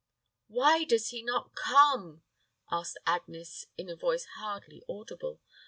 "Why does he not come?" asked Agnes, in a voice hardly audible.